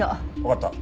わかった。